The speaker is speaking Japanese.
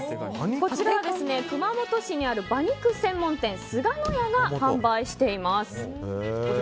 こちらは熊本市にある馬肉専門店、菅乃屋が販売しています。